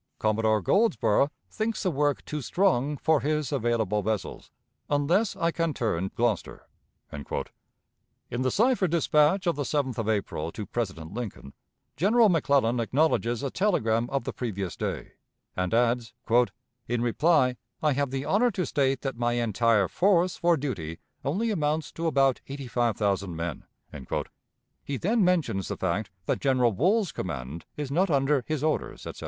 Commodore Goldsborough thinks the work too strong for his available vessels, unless I can turn Gloucester." In the cipher dispatch of the 7th of April to President Lincoln, General McClellan acknowledges a telegram of the previous day, and adds, "In reply, I have the honor to state that my entire force for duty only amounts to about eighty five thousand men." He then mentions the fact that General Wool's command is not under his orders, etc.